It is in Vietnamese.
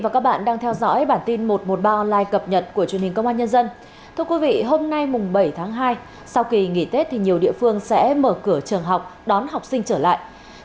cảm ơn các bạn đã theo dõi